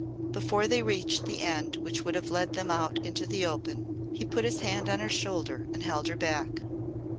Before they reached the end which would have led them out into the open he put his hand on her shoulder and held her back.